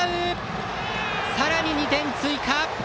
創成館、さらに２点追加！